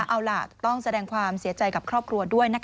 เอาล่ะต้องแสดงความเสียใจกับครอบครัวด้วยนะคะ